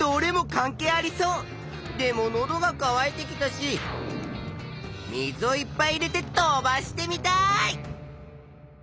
でものどがかわいてきたし水をいっぱい入れて飛ばしてみたい！